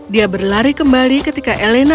dia berlari kembali ketika elena